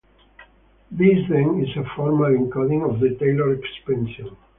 This, then, is a formal encoding of the Taylor expansion.